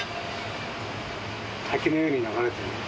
滝のように流れてる。